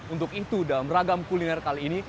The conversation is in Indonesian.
untuk itu dalam ragam kuliner kali ini